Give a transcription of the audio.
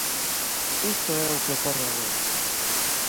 E isto é o que ocorre agora.